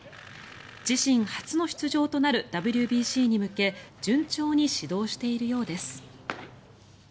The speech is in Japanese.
自身初の出場となるＷＢＣに向け順調に始動しているようです。